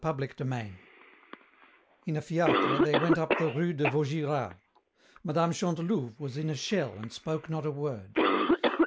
CHAPTER XIX In a fiacre they went up the rue de Vaugirard. Mme. Chantelouve was as in a shell and spoke not a word.